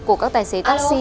của các tài xế taxi